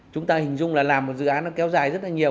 chúng ta hình dung là làm một dự án nó kéo dài rất là nhiều